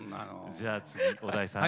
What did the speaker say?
じゃあ次小田井さん